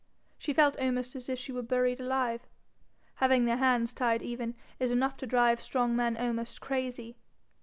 She felt almost as if she were buried alive. Having their hands tied even, is enough to drive strong men almost crazy.